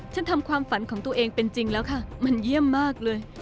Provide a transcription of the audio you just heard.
ทำความฝันของตัวเองเป็นจริงแล้วค่ะมันเยี่ยมมากเลย